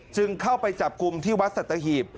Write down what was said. จึงเข้าไปจับกลุ่มที่วัดสัตหีบ